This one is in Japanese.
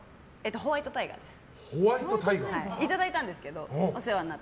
ホワイトタイガーです。